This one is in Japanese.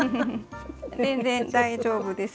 全然大丈夫です。